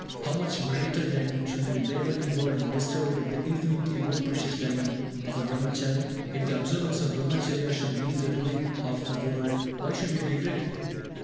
How much greater, then, should be the labour involved in the discovery of the infinitely more precious diamond of a Brahmachary? If the observance of Brahmacharya should mean the ruin of the world, why should we regret it?